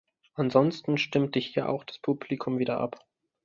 Ansonsten stimmte hier auch das Publikum wieder ab.